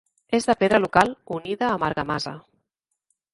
És de pedra local unida amb argamassa.